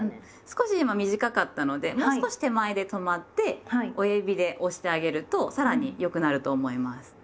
少し今短かったのでもう少し手前で止まって親指で押してあげるとさらに良くなると思います。